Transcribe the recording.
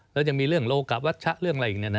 แล้วยังมีเรื่องโลกะวัชชะเรื่องอะไรอีก